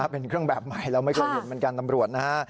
เป็นเครื่องแบบใหม่เราไม่เคยเห็นเหมือนกันตำรวจนะฮะ